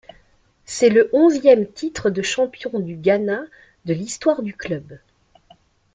C'est le onzième titre de champion du Ghana de l'histoire du club.